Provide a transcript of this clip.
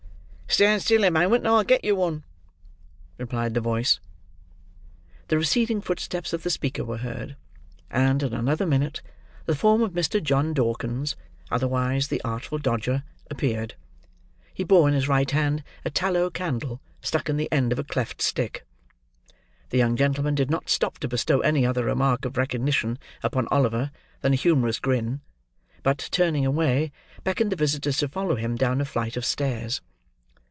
"Stand still a moment, and I'll get you one," replied the voice. The receding footsteps of the speaker were heard; and, in another minute, the form of Mr. John Dawkins, otherwise the Artful Dodger, appeared. He bore in his right hand a tallow candle stuck in the end of a cleft stick. The young gentleman did not stop to bestow any other mark of recognition upon Oliver than a humourous grin; but, turning away, beckoned the visitors to follow him down a flight of stairs.